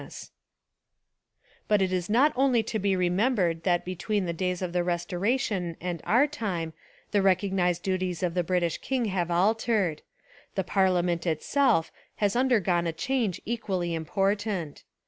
294 A BehahUitation of Charles II But it is not only to be remembered that between the days of the Restoration and our time the recognised duties of the British king have altered: the parliament itself has under gone a change equally important.